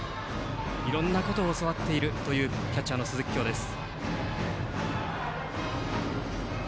いろんなことを教わっているというキャッチャーの鈴木叶です。